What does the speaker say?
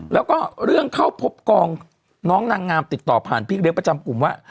แล้วก็เรื่องเข้าพบกองน้องนางงามติดต่อผ่านพี่เลี้ยงประจำกลุ่มว่า